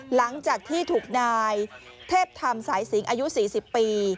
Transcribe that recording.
หลังจากที่ถูกนายเทพธรรมสายสิงอายุ๔๐ปี